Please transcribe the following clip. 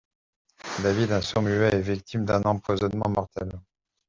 David, un sourd-muet, est victime d'un empoisonnement mortel.